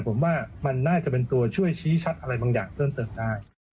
ผมว่ามันน่าจะเป็นตัวช่วยชี้ชัดอะไรบางอย่างเพิ่มเติมได้